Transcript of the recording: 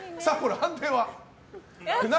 判定は？